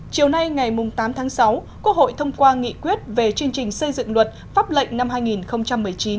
chiều nay ngày tám tháng sáu quốc hội thông qua nghị quyết về chương trình xây dựng luật pháp lệnh năm hai nghìn một mươi chín